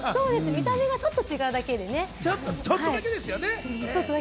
見た目がちょっとだけ違うだけですからね。